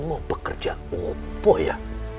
mau bekerja apa ya